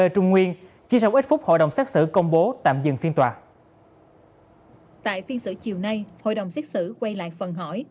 trong dịp sống hai mươi bốn trên bảy